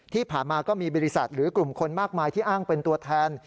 ที่ผ่านมาก็มีบริษัทหรือกลุ่มคนมากมายที่อ้างเป็นตัวแทน